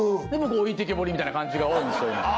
僕置いてけぼりみたいな感じが多いんですよ